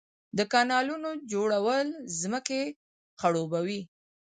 د کانالونو جوړول ځمکې خړوبوي